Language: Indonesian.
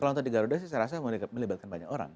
kalau nonton di garuda sih saya rasa melibatkan banyak orang